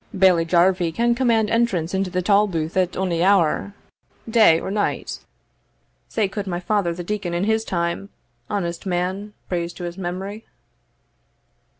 Bailie Jarvie can command entrance into the tolbooth at ony hour, day or night; sae could my father the deacon in his time, honest man, praise to his memory."